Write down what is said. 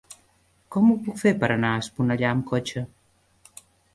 Com ho puc fer per anar a Esponellà amb cotxe?